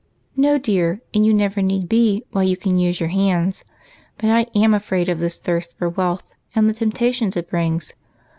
"No, dear, and you never need be, while you can use your hands ; but I am afraid of this thirst for wealth, and the temptations it brings.